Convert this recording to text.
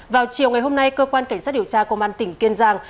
vào chiều ngày hôm nay cơ quan cảnh sát điều tra công an tỉnh kiên giang